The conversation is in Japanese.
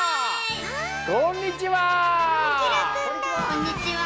こんにちは！